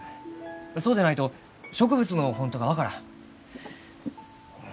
そうでないと植物の本当が分からん。